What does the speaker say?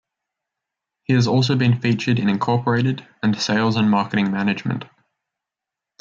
He has also been featured in "Incorporated" and "Sales and Marketing Management".